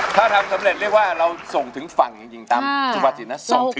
ถ้าทำสำเร็จเรียกว่าเราส่งถึงฝั่งจริงตามสมบัตินะส่งถึงฝั่ง